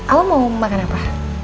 al mau makan apa